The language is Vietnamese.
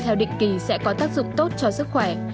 theo định kỳ sẽ có tác dụng tốt cho sức khỏe